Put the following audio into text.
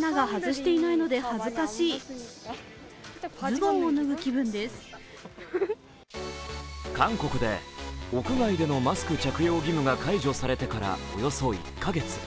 その訳は韓国で屋外でのマスク着用義務が解除されてからおよそ１カ月。